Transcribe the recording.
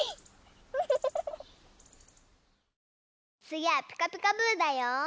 つぎは「ピカピカブ！」だよ。